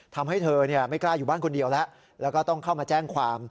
ทำให้เธอไม่กล้าอยู่บ้านคนเดียวแล้วแล้วก็ต้องเข้ามาแจ้งความ